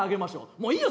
もういいよ